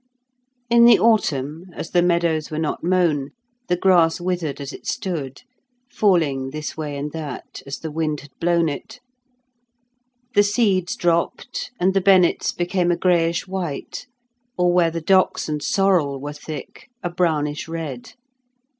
In the autumn, as the meadows were not mown, the grass withered as it stood, falling this way and that, as the wind had blown it; the seeds dropped, and the bennets became a greyish white, or, where the docks and sorrel were thick, a brownish red.